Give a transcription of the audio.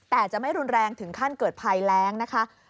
แต่จะไม่รุนแรงถึงขั้นเกิดภัยแรงนะคะ